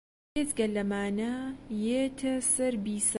بێجگە لەمانە یێتە سەر بیسات